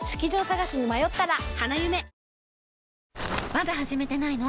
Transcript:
まだ始めてないの？